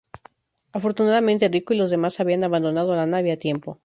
Afortunadamente, Rico y los demás habían abandonado la nave a tiempo.